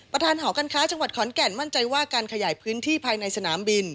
หอการค้าจังหวัดขอนแก่นมั่นใจว่าการขยายพื้นที่ภายในสนามบิน